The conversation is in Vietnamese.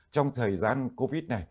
trong thời gian covid này